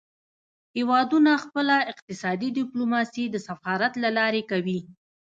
هیوادونه خپله اقتصادي ډیپلوماسي د سفارت له لارې کوي